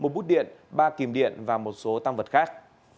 một bút điện ba kìm điện và một số tăng vật khác